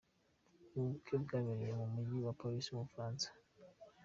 Ubu bukwe bwabereye mu Mujyi wa Paris mu Bufaransa.